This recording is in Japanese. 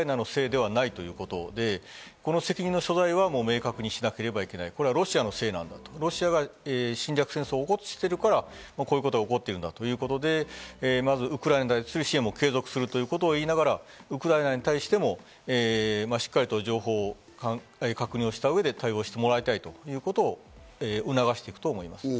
これはウクライナのせいではないということ、その責任の所在を明確にしなければいけない、これはロシアのせいだと、ロシアが侵略戦争を起こしているからこういうことが起こっているんだということで、まずウクライナに対する支援も継続するという事を言いながらウクライナに対してもしっかりと情報を確認をした上で対応してもらいたいということを促していくと思います。